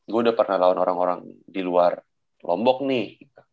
gue udah pernah lawan orang orang di luar lombok nih